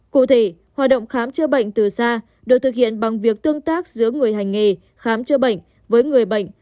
cụ thể hoạt động khám chữa bệnh từ xa được thực hiện bằng việc tương tác giữa người hành nghề khám chữa bệnh với người bệnh